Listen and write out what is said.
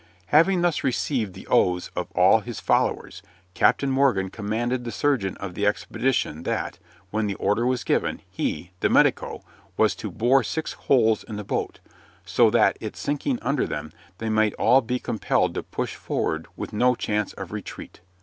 Having thus received the oaths of all his followers, Captain Morgan commanded the surgeon of the expedition that, when the order was given, he, the medico, was to bore six holes in the boat, so that, it sinking under them, they might all be compelled to push forward, with no chance of retreat.